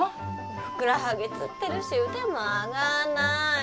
ふくらはぎつってるし腕も上がんない！